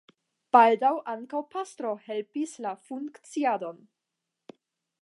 Baldaŭ ankaŭ pastro helpis la funkciadon.